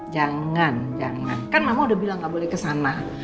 jangan jangan kan mama udah bilang gak boleh kesana